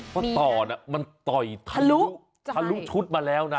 เพราะต่อมันต่อยทะลุทะลุชุดมาแล้วนะ